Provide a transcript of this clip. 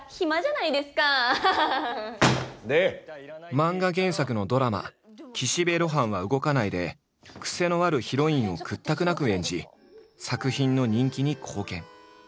漫画原作のドラマ「岸辺露伴は動かない」で癖のあるヒロインを屈託なく演じ作品の人気に貢献。